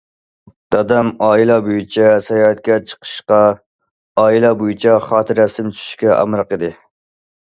دادام ئائىلە بويىچە ساياھەتكە چىقىشقا، ئائىلە بويىچە خاتىرە رەسىمگە چۈشۈشكە ئامراق ئىدى.